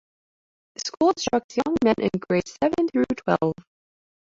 The school instructs young men in grades seven through twelve.